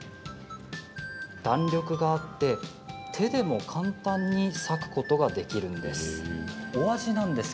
弾力があって手でも簡単に割くことができるんです。